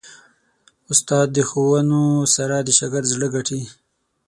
استاد د ښوونو سره د شاګرد زړه ګټي.